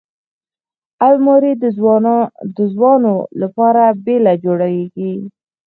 الماري د ځوانو لپاره بېله جوړیږي